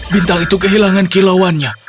bintang itu kehilangan kilauannya